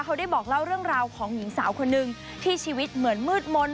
เขาได้บอกเล่าเรื่องราวของหญิงสาวคนนึงที่ชีวิตเหมือนมืดมนต์